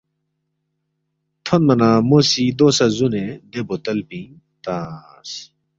تھونما نہ مو سی دو سہ زُونے دے بوتل پِنگ تنگس